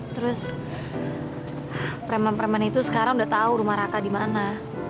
terus preman preman itu sekarang udah tahu rumah raka di mana